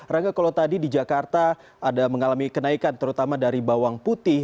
rangga kalau tadi di jakarta ada mengalami kenaikan terutama dari bawang putih